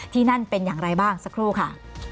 ที่นั่นเป็นอย่างไรบ้างสักครู่ค่ะ